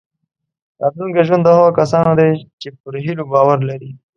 راتلونکی ژوند د هغو کسانو دی چې پر هیلو باور لري.